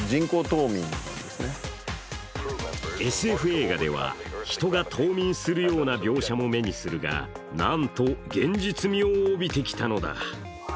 ＳＦ映画では、ヒトが冬眠するような描写も目にするがなんと、現実味を帯びてきたのだ。